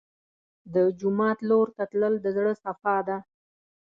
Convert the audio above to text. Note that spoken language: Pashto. د جومات لور ته تلل د زړه صفا ده.